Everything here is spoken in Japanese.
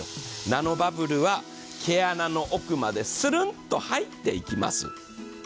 ナノバブルは毛穴の奥までするんと入っていきます。